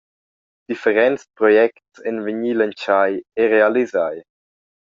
Differents projects ein vegni lantschai e realisai.